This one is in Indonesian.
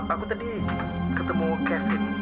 aku tadi ketemu kevin